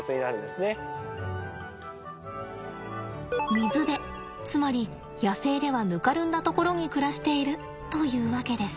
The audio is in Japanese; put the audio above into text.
水辺つまり野生ではぬかるんだところに暮らしているというわけです。